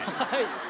はい。